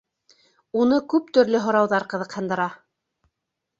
Уны күп төрлө һорауҙар ҡыҙыҡһындыра.